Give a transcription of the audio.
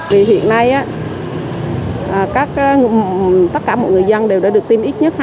vì hiện nay tất cả mọi người dân